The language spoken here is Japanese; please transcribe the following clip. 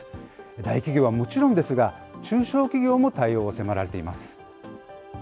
大企業はもちろんですが、中小企業も対応を迫られています。